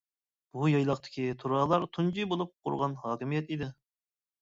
بۇ يايلاقتىكى تۇرالار تۇنجى بولۇپ قۇرغان ھاكىمىيەت ئىدى.